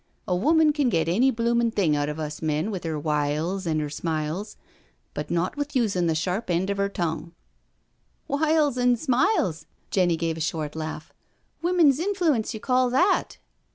A woman can get any bloomin* thing out of us men with 'er wiles and 'er smiles, but not with using the sharp end of her tongue." 70 NO SURRENDER '* Wiles an* smiles I" Jenny gave a short laugh; " women's influence you call that?"